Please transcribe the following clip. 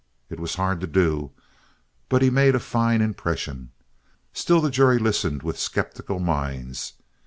It was hard to do, but he made a fine impression. Still the jury listened with skeptical minds.